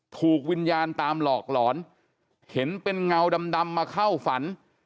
ถูกวิญญาณตามหลอกหลอนเห็นเป็นเงาดำมาเข้าฝัน